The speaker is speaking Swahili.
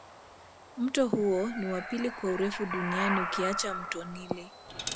Mto huo ni wa pili kwa urefu duniani ukiacha mto nile